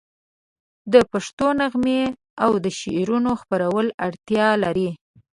د پښتو نغمې او د شعرونو خپرول اړتیا لري.